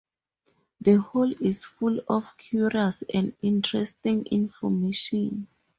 The whole is full of curious and interesting information.